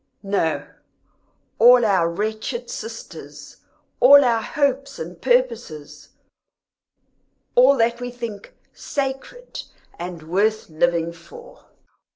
"No, all our wretched sisters all our hopes and purposes all that we think Sacred and worth living for!"